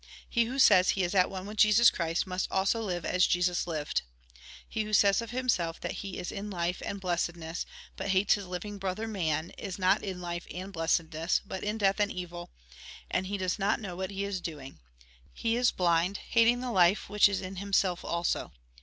He who says he is at one with Jesus Christ, must also live as Jesus lived. He who says of himself that he is in life and blessedness, but hates his living brother man, is not in life and blessedness, but in death and evil ; and he does not know what he is doing; he is blind, hating the life which is in himself also.